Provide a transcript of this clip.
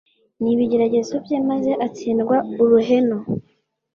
n’ibigeragezo bye, maze atsindwa uruhenu,